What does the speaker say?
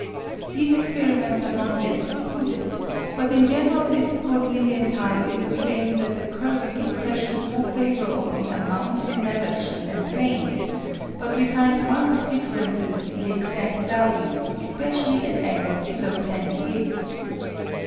These experiments are not yet concluded, but in general they support Lilienthal in the claim that the curves give pressures more favorable in amount and direction than planes; but we find marked differences in the exact values, especially at angles below 10 degrees.